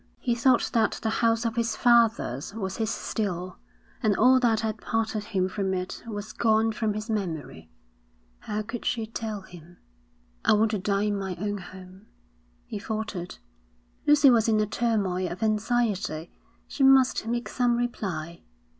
He thought that the house of his fathers was his still; and all that had parted him from it was gone from his memory. How could she tell him? 'I want to die in my own home,' he faltered. Lucy was in a turmoil of anxiety. She must make some reply.